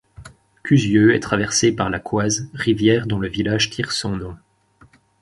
Cuzieu est traversé par la Coise, rivière dont le village tire son nom.